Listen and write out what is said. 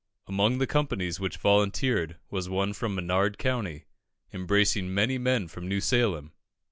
Among the companies which volunteered was one from Menard County, embracing many men from New Salem.